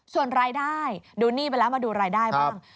ส่วนรายได้ดูหนี้ไปแล้วมาดูรายได้บ้าง